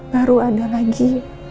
baru ada lagi